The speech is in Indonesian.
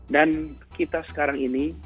dan kita sekarang ini